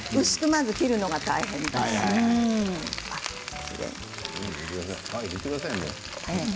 薄くまず切るのが大変です。